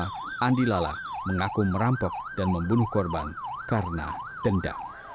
tersangka utama andi lala mengaku merampok dan membunuh korban karena dendam